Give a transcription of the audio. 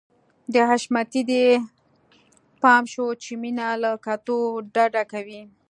د حشمتي دې ته پام شو چې مينه له کتو ډډه کوي.